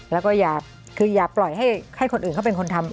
แล้วก็คืออย่าปล่อยให้คนอื่นเขาเป็นคนทำ